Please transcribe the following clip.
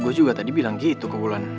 gue juga tadi bilang gitu ke ulan